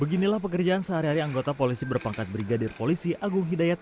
beginilah pekerjaan sehari hari anggota polisi berpangkat brigadir polisi agung hidayat